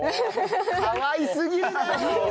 かわいすぎるだろ！